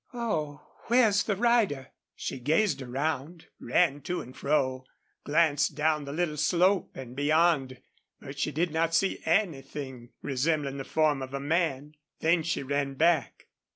"Oh! where's the rider?" She gazed around, ran to and fro, glanced down the little slope, and beyond, but she did not see anything resembling the form of a man. Then she ran back.